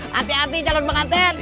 hati hati calon penganten